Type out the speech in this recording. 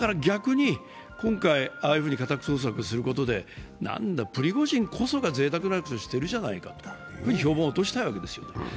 だから逆に、今回ああいうふうに家宅捜索することで何だプリゴジンこそがぜいたくな暮らしをしているじゃないかと評判を落としたいわけですよ。